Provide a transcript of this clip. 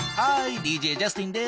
ＤＪジャスティンです。